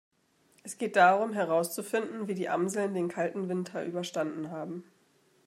Es geht darum, herauszufinden wie die Amseln den kalten Winter überstanden haben.